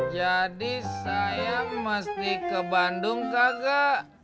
jadi saya mesti ke bandung kagak